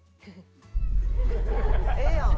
ええやん。